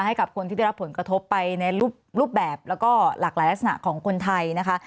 ให้กับคนที่ได้รับผลกระทบไปในรูปแบบแล้วก็หลากหลายลักษณะของคนไทยนะคะ